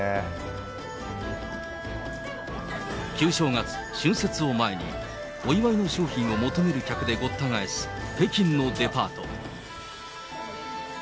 旧正月、春節を前に、お祝いの商品を求める客でごった返す北京のデパート。